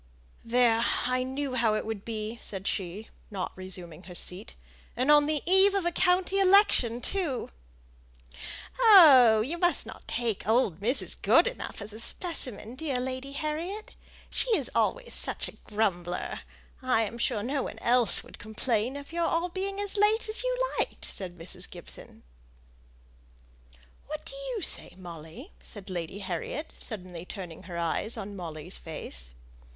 "There! I knew how it would be!" said she, not resuming her seat. "And on the eve of a county election too." "Oh! you must not take old Mrs. Goodenough as a specimen, dear Lady Harriet. She is always a grumbler! I am sure no one else would complain of your all being as late as you liked," said Mrs. Gibson. "What do you say, Molly?" said Lady Harriet, suddenly turning her eyes on Molly's face.